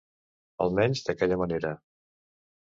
Almenys d'aquella manera.